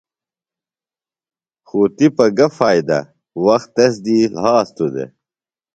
خوۡ تِپہ گہ فائدہ وخت تس دی لھاستُوۡ دےۡ۔